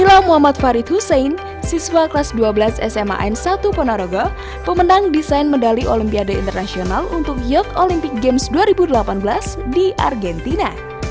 inilah muhammad farid hussein siswa kelas dua belas sma n satu ponorogo pemenang desain medali olimpiade internasional untuk yield olympic games dua ribu delapan belas di argentina